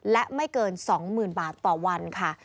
และไม่เกิน๒๐๐๐บาทต่อวันค่ะ